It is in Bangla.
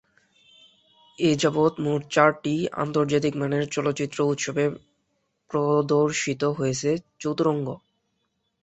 এযাবৎ মোট চারটি আন্তর্জাতিক মানের চলচ্চিত্র উৎসবে প্রদর্শিত হয়েছে "চতুরঙ্গ"।